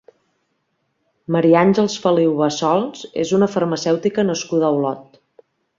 Maria Àngels Feliu Bassols és una farmacèutica nascuda a Olot.